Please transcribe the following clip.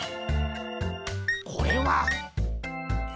これはっ！